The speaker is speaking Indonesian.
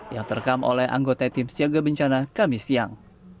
yang terekam oleh anggota tim siaga bencana kamis yang